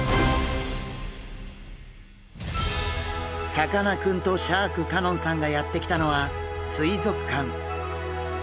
さかなクンとシャーク香音さんがやって来たのは水族館。